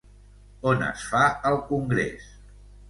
On es fa el congrés?